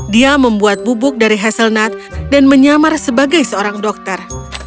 dia membuat bubuk dari hasselnut dan menyamar sebagai seorang dokter